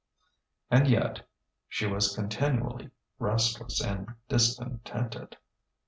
And yet ... she was continually restless and discontented.